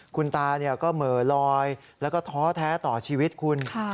คุณตาก็เหม่อลอยแล้วก็ท้อแท้ต่อชีวิตคุณ